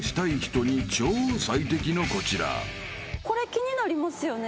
気になりますよね